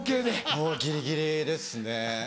もうギリギリですね。